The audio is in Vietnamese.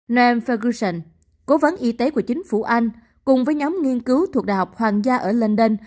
nam fagution cố vấn y tế của chính phủ anh cùng với nhóm nghiên cứu thuộc đại học hoàng gia ở london